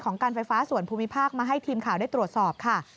การไฟฟ้าส่วนภูมิภาคมาให้ทีมข่าวได้ตรวจสอบค่ะ